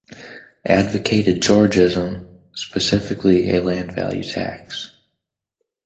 Advocated Georgism, specifically a land value tax.